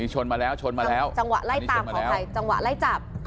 จังหวะไล่ตามตอนไล่จับ